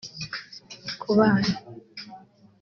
Kubana